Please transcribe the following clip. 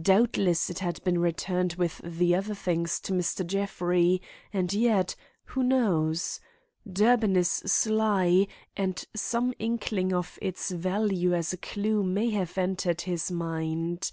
Doubtless it had been returned with the other things to Mr. Jeffrey, and yet, who knows? Durbin is sly and some inkling of its value as a clue may have entered his mind.